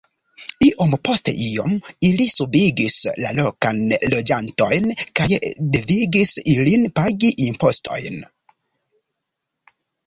Iom post iom ili subigis la lokan loĝantojn kaj devigis ilin pagi impostojn.